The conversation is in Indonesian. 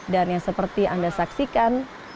dan yang seperti yang anda saksikan